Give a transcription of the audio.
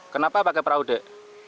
kenapa pakai perahu dek